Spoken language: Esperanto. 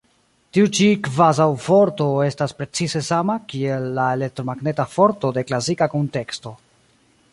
Tiu ĉi kvazaŭ-forto estas precize sama kiel la elektromagneta forto de klasika kunteksto.